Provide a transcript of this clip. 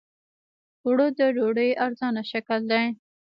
اوړه د ډوډۍ ارزانه شکل دی